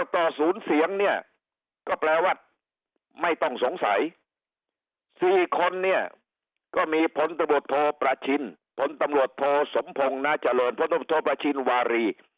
๙ต่อ๐เสียงเนี่ยก็แปลว่าไม่ต้องสงสัย๔คนเนี่ยก็มีพปประชพปสมพงษ์นจพประชวารี